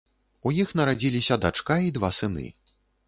У іх нарадзіліся дачка і два сыны.